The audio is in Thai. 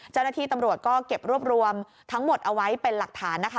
เจ้าหน้าที่ตำรวจก็เก็บรวบรวมทั้งหมดเอาไว้เป็นหลักฐานนะคะ